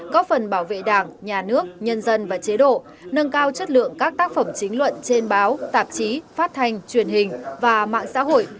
góp phần bảo vệ đảng nhà nước nhân dân và chế độ nâng cao chất lượng các tác phẩm chính luận trên báo tạp chí phát thanh truyền hình và mạng xã hội